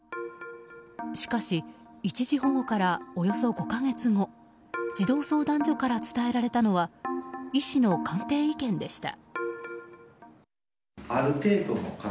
しかし、一時保護からおよそ５か月後児童相談所から伝えられたのは医師の鑑定意見でした。